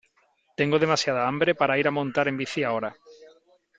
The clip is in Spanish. Tengo demasiada hambre para ir a montar en bici ahora.